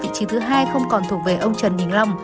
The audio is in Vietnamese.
vị trí thứ hai không còn thuộc về ông trần đình long